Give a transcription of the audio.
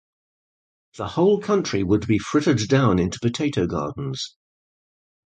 The whole country would be frittered down into potato gardens.